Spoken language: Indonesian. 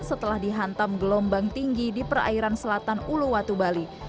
setelah dihantam gelombang tinggi di perairan selatan uluwatu bali